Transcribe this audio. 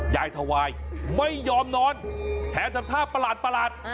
ยายทวายไม่ยอมนอนแถมทำท่าประหลาด